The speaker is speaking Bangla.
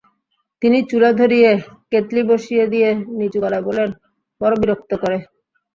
তিনি চুলা ধরিয়ে কেটলি বসিয়ে দিয়ে নিচু গলায় বললেন, বড়ো বিরক্ত করে।